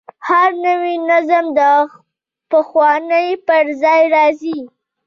هر نوی نظم د پخواني پر ځای راځي.